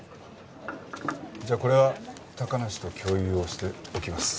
じゃあこれは高梨と共有をしておきます。